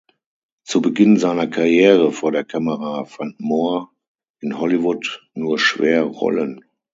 Zu Beginn seiner Karriere vor der Kamera fand Moore in Hollywood nur schwer Rollen.